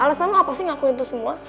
alasan lo apa sih ngakuin itu semua